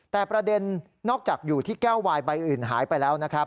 แต่ประเด็นนอกจากอยู่ที่แก้ววายใบอื่นหายไปแล้วนะครับ